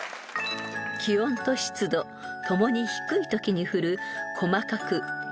［気温と湿度ともに低いときに降る］